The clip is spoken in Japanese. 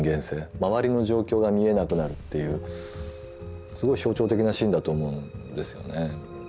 周りの状況が見えなくなるっていうすごい象徴的なシーンだと思うんですよね。